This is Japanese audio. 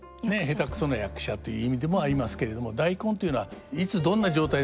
下手くそな役者という意味でもありますけれども大根というのはいつどんな状態でも食べられる。